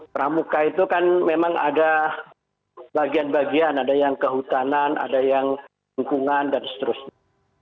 pramuka itu kan memang ada bagian bagian ada yang kehutanan ada yang lingkungan dan seterusnya